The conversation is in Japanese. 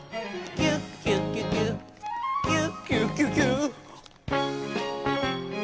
「キュキュキュキュキュキュキュキュ」